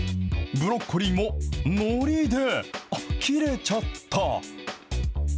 ブロッコリーものりで、あっ、切れちゃった。